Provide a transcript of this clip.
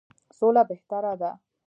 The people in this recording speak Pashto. سوله بهتره ده.